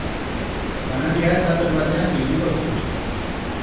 Janaria tuper batean bilduko dut.